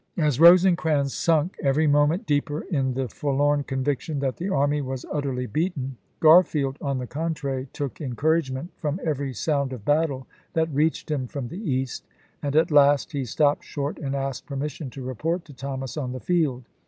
As Eosecrans sunk every moment deeper in the forlorn con\dction that the army was utterly beaten, Garfield, on the contrary, took encourage ment from every sound of battle that reached him from the east, and at last he stopped short and asked permission to report to Thomas on the field.